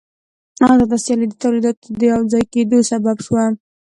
آزاده سیالي د تولیداتو د یوځای کېدو سبب شوه